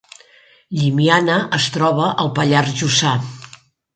Llimiana es troba al Pallars Jussà